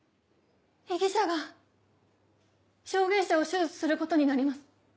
被疑者が証言者を手術することになります。